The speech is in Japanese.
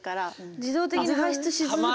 自動的に排出し続けるってこと？